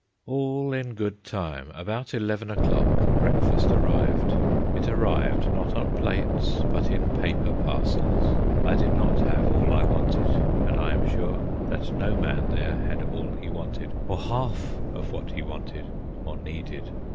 All in good time, about eleven o'clock, breakfast arrived. It arrived, not on plates, but in paper parcels. I did not have all I wanted, and I am sure that no man there had all he wanted, or half of what he wanted or needed.